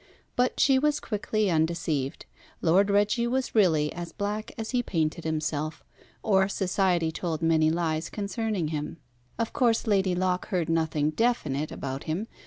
But she was quickly undeceived. Lord Reggie was really as black as he painted himself, or Society told many lies concerning him. Of course Lady Locke heard nothing definite about him.